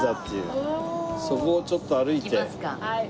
そこをちょっと歩いて。